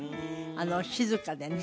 あの静かでね